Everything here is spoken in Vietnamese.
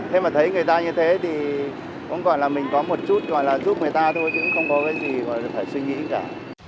thế mà thấy người ta như thế thì cũng gọi là mình có một chút gọi là giúp người ta thôi cũng không có cái gì mà phải suy nghĩ cả